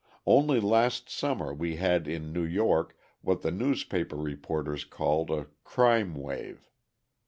Only last summer we had in New York what the newspaper reporters called a "crime wave."